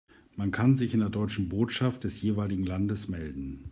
Man kann sich in der deutschen Botschaft des jeweiligen Landes melden.